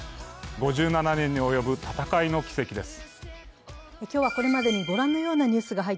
５７年に及ぶ闘いの軌跡です。